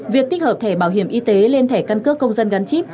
việc tích hợp thẻ bảo hiểm y tế lên thẻ căn cước công dân gắn chip